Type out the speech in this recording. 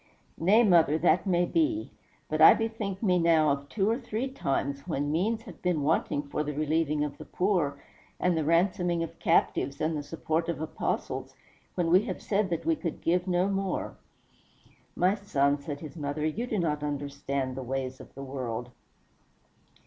"Nay, mother, that may be; but I bethink me now of two or three times when means have been wanting for the relieving of the poor, and the ransoming of captives, and the support of apostles, when we have said that we could give no more." "My son," said his mother, "you do not understand the ways of the world."